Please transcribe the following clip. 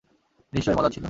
নিশ্চয়ই মজার ছিল?